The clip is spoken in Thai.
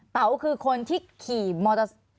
เต๋าคือคนที่ขี่มอเตอร์ไซค์